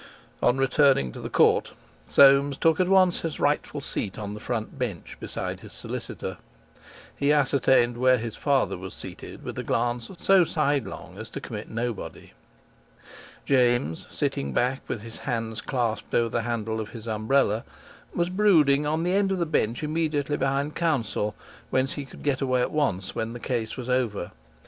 On returning to the court Soames took at once his rightful seat on the front bench beside his solicitor. He ascertained where his father was seated with a glance so sidelong as to commit nobody. James, sitting back with his hands clasped over the handle of his umbrella, was brooding on the end of the bench immediately behind counsel, whence he could get away at once when the case was over.